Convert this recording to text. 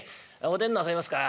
おでんになさいますか？